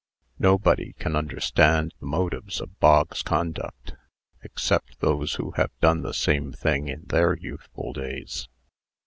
Nobody can understand the motives of Bog's conduct, except those who have done the same thing in their youthful days.